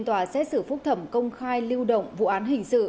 tòa xét xử phúc thẩm công khai lưu động vụ án hình sự